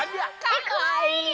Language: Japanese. かわいい！